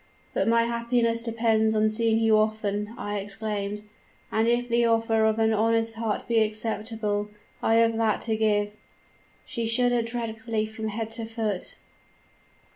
"'But my happiness depends on seeing you often,' I exclaimed; 'and if the offer of an honest heart be acceptable, I have that to give.' "She shuddered dreadfully from head to foot.